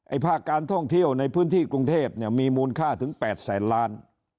ภาคการท่องเที่ยวในพื้นที่กรุงเทพเนี่ยมีมูลค่าถึง๘แสนล้าน